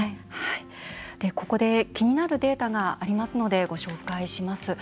ここで気になるデータがありますのでご紹介します。